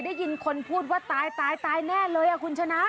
ได้ยินคนพูดว่าตายตายแน่เลยคุณชนะ